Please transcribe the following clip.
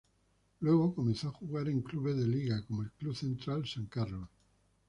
Luego comenzó a jugar en clubes de liga como el Club Central San Carlos.